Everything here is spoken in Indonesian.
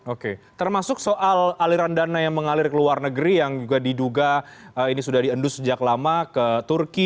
oke termasuk soal aliran dana yang mengalir ke luar negeri yang juga diduga ini sudah diendus sejak lama ke turki